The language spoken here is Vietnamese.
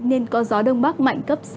nên có gió đông bắc mạnh cấp sáu bảy